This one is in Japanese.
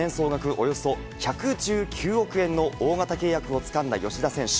およそ１１９億円の大型契約をつかんだ吉田選手。